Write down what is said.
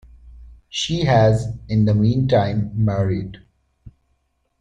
She has, in the meantime, married.